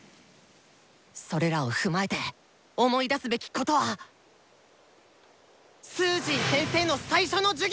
それらを踏まえて思い出すべきことはスージー先生の最初の授業！